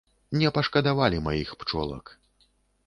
Не пашкадавалі маіх пчолак.